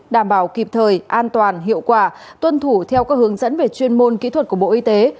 đảm bảo kịp thời an toàn hiệu quả tuân thủ theo các hướng dẫn về chuyên môn kỹ thuật của bộ y tế